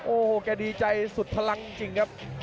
โอ้โหแกดีใจสุดพลังจริงครับ